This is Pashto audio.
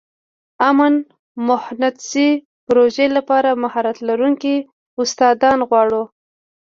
امن مهندسي پروژې لپاره مهارت لرونکي استادان غواړو.